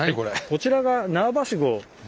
こちらが縄ばしご。